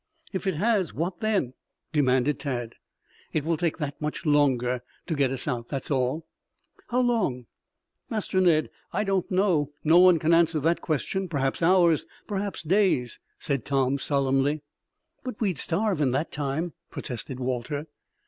"If it has, what then?" demanded Tad. "It will take that much longer to get us out. That's all." "How long?" "Master Ned, I don't know. No one can answer that question. Perhaps hours perhaps days," said Tom solemnly. "But we'd starve in that time," protested Walter.